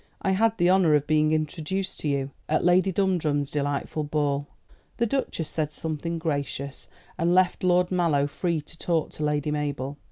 "I had the honour of being introduced to you at Lady Dumdrum's delightful ball." The Duchess said something gracious, and left Lord Mallow free to talk to Lady Mabel.